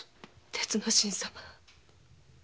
鉄之進様。